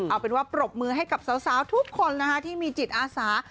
เอาเป็นว่าปรบมือให้กับสาวทุกคนนะคะที่มีจิตอาสา